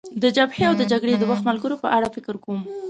د جبهې او د جګړې د وخت ملګرو په اړه فکر کوم.